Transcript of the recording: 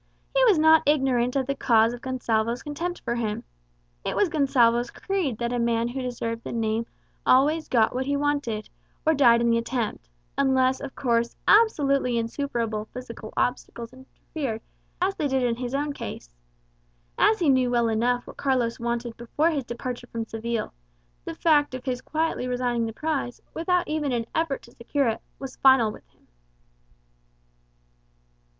He was not ignorant of the cause of Gonsalvo's contempt for him. It was Gonsalvo's creed that a man who deserved the name always got what he wanted, or died in the attempt; unless, of course, absolutely insuperable physical obstacles interfered, as they did in his own case. As he knew well enough what Carlos wanted before his departure from Seville, the fact of his quietly resigning the prize, without even an effort to secure it, was final with him.